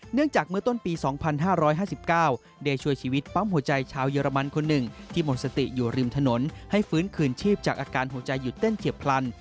เนื่องจากเมื่อต้นปี๒๕๕๙ได้ช่วยชีวิตปั๊มหัวใจชาวเยอรมันคนหนึ่งที่หมดสติอยู่ริมถนนให้ฟื้นคืนชีพจากอาการหัวใจหยุดเต้นเฉียบพลัน